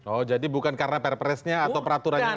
oh jadi bukan karena perpresnya atau peraturannya